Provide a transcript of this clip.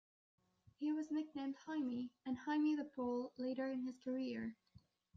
He was nicknamed "Hymie" and "Hymie the Pole", later in his career.